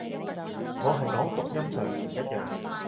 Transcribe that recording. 我係講讀音上唔一樣